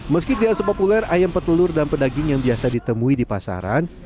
meski tidak sepopuler ayam petelur dan pedaging yang biasa ditemui di pasaran